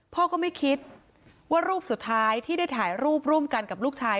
พ่อก็ไม่คิดว่ารูปสุดท้ายที่ได้ถ่ายรูปร่วมกันกับลูกชาย